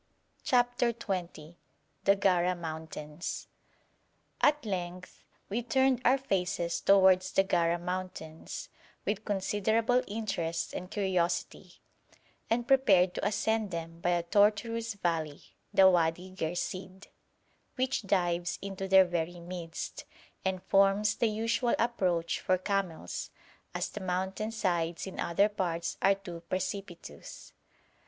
CHAPTER XX THE GARA MOUNTAINS At length we turned our faces towards the Gara mountains, with considerable interest and curiosity, and prepared to ascend them by a tortuous valley, the Wadi Ghersìd, which dives into their very midst, and forms the usual approach for camels, as the mountain sides in other parts are too precipitous.